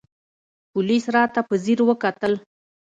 پوليس راته په ځير وکتل.